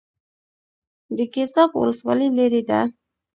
د ګیزاب ولسوالۍ لیرې ده